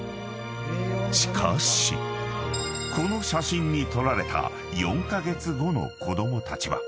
［しかし］［この写真に撮られた４カ月後の子供たちは］